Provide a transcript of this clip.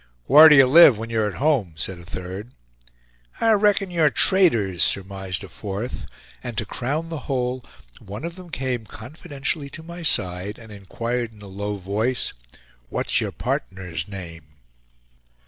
"Whar do you live when you're at home?" said a third. "I reckon you're traders," surmised a fourth; and to crown the whole, one of them came confidentially to my side and inquired in a low voice, "What's your partner's name?"